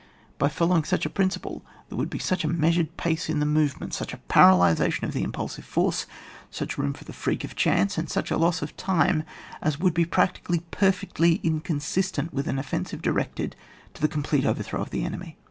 By following such a principle there would be such a mea* sured pace in the movements, such a paralysation of the impulsive force, such room for the freak of chance, and such a loss of time, as would be practicalij perfectly inconsistent with an offensiTS directed to the complete overthrow of the enemy.